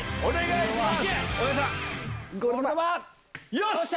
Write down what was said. お願いします！